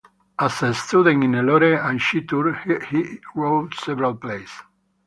As a student in Nellore and Chittoor he wrote several plays.